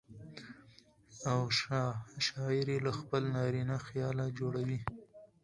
او شاعر يې له خپل نارينه خياله جوړوي.